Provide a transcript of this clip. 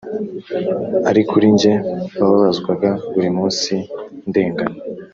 Ari kuri njye wababazwaga buri munsi ndengana